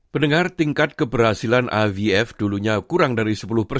pendengar tingkat keberhasilan avf dulunya kurang dari sepuluh